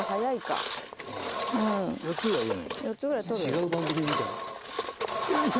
「違う番組みたい」